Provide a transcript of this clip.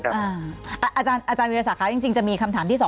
อาจารย์วิทยาศักดิ์จริงจะมีคำถามที่๒